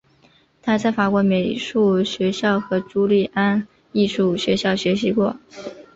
他在法国美术学校和朱利安艺术学校学习过。